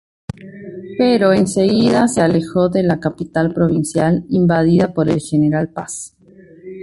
Pero en seguida se alejó de la capital provincial, invadida por el general Paz.